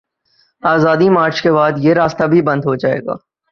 آزادی مارچ کے بعد، یہ راستہ بھی بند ہو جائے گا۔